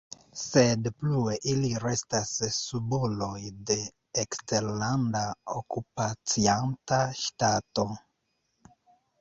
Sed plue ili restas subuloj de eksterlanda okupacianta ŝtato.